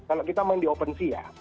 kalau kita mau di opensea ya